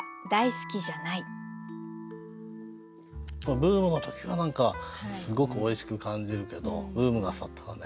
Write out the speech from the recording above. ブームの時は何かすごくおいしく感じるけどブームが去ったらね